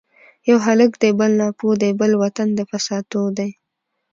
یو هلک دی بل ناپوه دی ـ بل وطن د فساتو دی